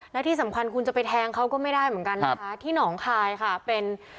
และที่สำคัญคุณจะไปแทงเขาก็ไม่ได้เหมือนกันนะคะที่หนองคายค่ะเป็น